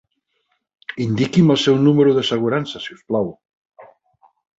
Indiqui'm el seu número d'assegurança si us plau.